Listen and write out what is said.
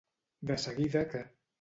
De seguida que.